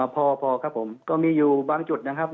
พอครับผมก็มีอยู่บางจุดนะครับ